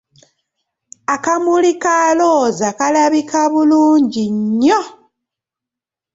Akamuli ka Looza kalabika bulungi nnyo!